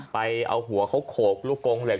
ไปเอาหัวเขาโขกลูกกงเหล็